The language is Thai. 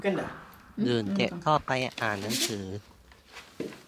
ดื่มเสร็จก็ไปอ่านหนังสือ